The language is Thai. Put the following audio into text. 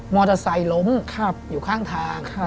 เตอร์ไซค์ล้มอยู่ข้างทาง